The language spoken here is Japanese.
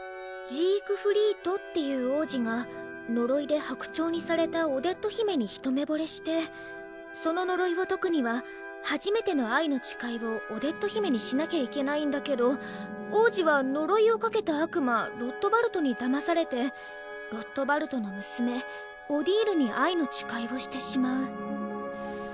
ジークフリートっていう王子が呪いで白鳥にされたオデット姫にひと目ぼれしてその呪いを解くには初めての愛の誓いをオデット姫にしなきゃいけないんだけど王子は呪いをかけた悪魔ロットバルトにだまされてロットバルトの娘オディールに愛の誓いをしてしまう。